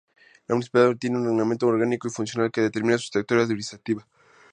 La Municipalidad tiene un reglamento orgánico y funcional, que determina su estructura administrativa.